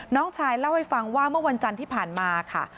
น้องชายเล่าให้ฟังว่าเมื่อวันจันทร์ที่ผ่านมาค่ะ